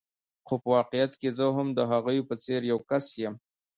خو په واقعیت کې زه هم د هغوی په څېر یو کس یم.